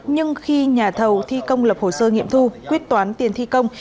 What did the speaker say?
nhưng khi nhà thầu thi công lập hồ sơ nghiệm thu quyết toán tiền thi công